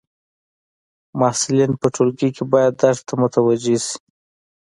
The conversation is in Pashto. محصلین په ټولګی کي باید درس ته متوجي سي.